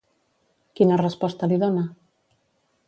Quina resposta li dona?